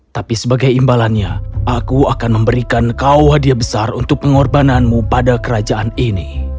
tapi sebagai imbalannya aku akan memberikan kau hadiah besar untuk pengorbananmu pada kerajaan ini